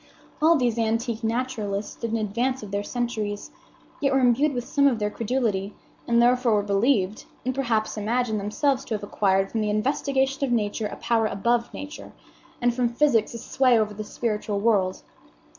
All these antique naturalists stood in advance of their centuries, yet were imbued with some of their credulity, and therefore were believed, and perhaps imagined themselves to have acquired from the investigation of Nature a power above Nature, and from physics a sway over the spiritual world.